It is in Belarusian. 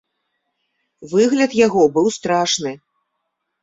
Выгляд яго быў страшны.